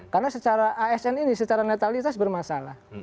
karena secara asn ini secara netalitas bermasalah